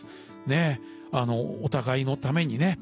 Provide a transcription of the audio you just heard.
ねえあのお互いのためにね